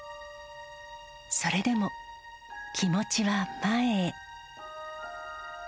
それでも、気持ちは前へ。